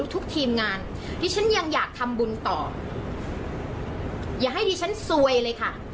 ทุกทีมงานดิฉันยังอยากทำบุญต่ออย่าให้ดิฉันซวยเลยค่ะ